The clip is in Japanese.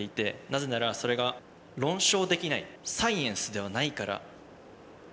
なぜならそれが論証できないサイエンスではないから。